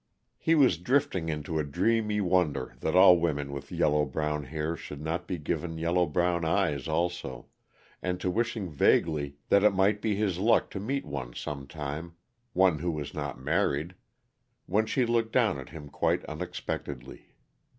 He was drifting into a dreamy wonder that all women with yellow brown hair should not be given yellow brown eyes also, and to wishing vaguely that it might be his luck to meet one some time one who was not married when she looked down at him quite unexpectedly.